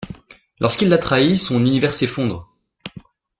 Lorsqu'il la trahit, son univers s'effondre.